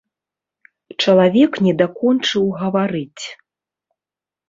Чалавек не дакончыў гаварыць.